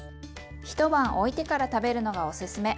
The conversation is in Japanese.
一晩おいてから食べるのがおすすめ。